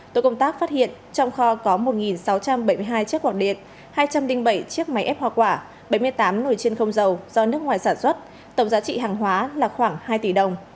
tổ công tác phát hiện trong kho có một sáu trăm bảy mươi hai chiếc quạt điện hai trăm linh bảy chiếc máy ép hoa quả bảy mươi tám nồi chiên không dầu do nước ngoài sản xuất tổng giá trị hàng hóa là khoảng hai tỷ đồng